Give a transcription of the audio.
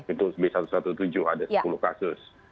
itu b satu satu tujuh ada sepuluh kasus